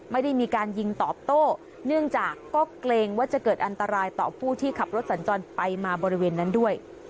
ไม่ได้มีการยิงตอบโต้เนื่องจากก็เกรงว่าจะเกิดอันตรายต่อผู้ที่ขับรถสัญจรไปมาบริเวณนั้นด้วย